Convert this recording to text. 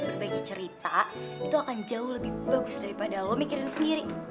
berbagi cerita itu akan jauh lebih bagus daripada allah mikirin sendiri